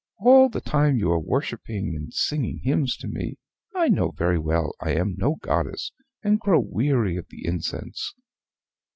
All the time you are worshipping and singing hymns to me, I know very well I am no goddess, and grow weary of the incense.